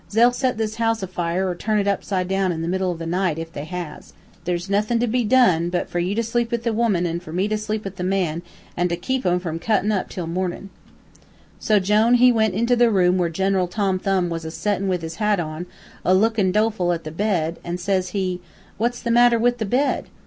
They'll set this house afire or turn it upside down in the middle of the night, if they has. There's nuthin' to be done but for you to sleep with the woman an' for me to sleep with the man, an' to keep 'em from cuttin' up till mornin'.' "So Jone he went into the room where General Tom Thumb was a settin' with his hat on, a lookin' doleful at the bed, an' says he: "'What's the matter with the bed?'